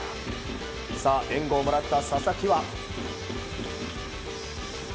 援護をもらった佐々木は。